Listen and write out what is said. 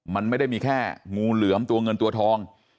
มันไม่ได้มีแค่งูเหลือมตัวเงินตัวทอง